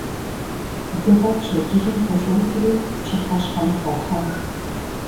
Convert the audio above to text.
Дыгъэр пщэдджыжьым къыщӀокӀри пщыхьэщхьэм къуохьэж.